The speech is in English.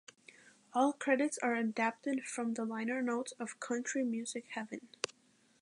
All credits are adapted from the liner notes of "Country Music Heaven".